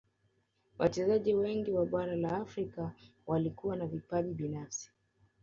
wachezaji wengi wa bara la afrika walikuwa na vipaji binafsi